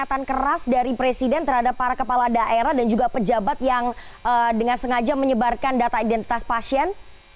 pernyataan keras dari presiden terhadap para kepala daerah dan juga pejabat yang dengan sengaja menyebarkan data identitas pasien